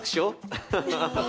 アハハハハッ。